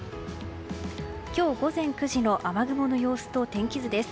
今日午前９時の雨雲の様子と天気図です。